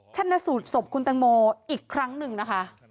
ชนะสูตรศพคุณตังโมอีกครั้งหนึ่งนะคะ